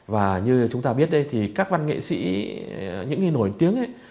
và như chúng ta biết đây thì các văn nghệ sĩ những người nổi tiếng ấy